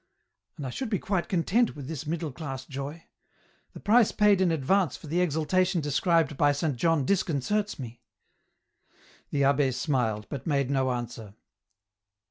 " And I should be quite content with this middle class joy. The price paid in advance for the exaltation described by Saint John disconcerts me." The abbe smiled, but made no answer.